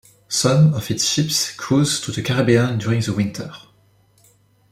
Some of its ships cruised to the Caribbean during the winter.